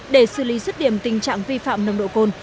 để xử lý rứt điểm tình trạng vi phạm nồng độ cồn